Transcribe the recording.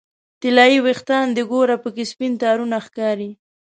طلایې ویښان دې ګوره پکې سپین تارونه ښکاري